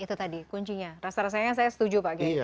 itu tadi kuncinya rasa rasanya saya setuju pak gaya